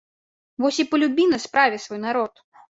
Вось і палюбі на справе свой народ!